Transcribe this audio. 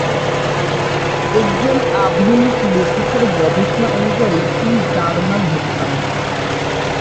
একজন আধুনিক লেখকের গবেষণা অনুযায়ী তিনি জার্মান হতে পারেন।